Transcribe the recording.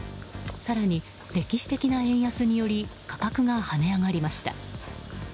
更に歴史的な円安により価格が跳ね上がりました。